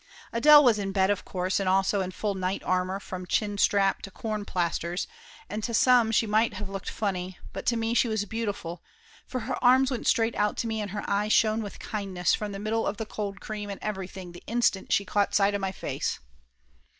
Adele was in bed of course and also in full night armor from chin strap to corn plasters, and to some she might of looked funny, but to me she was beauti ful, for her arms went straight out to me and her eyes shone with kindness from the middle of the cold cream and everything the instant she caught sight of my face.